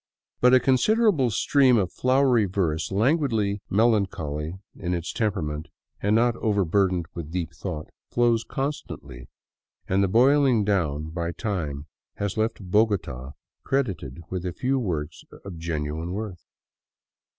But a con siderable stream of flowery verse, languidly melancholy in its tem perament and not overburdened with deep thought, flows constantly, and the boiling down by time has left Bogota credited with a few works of genuine worth.